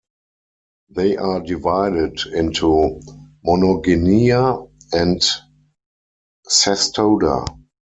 They are divided into Monogenea and Cestoda.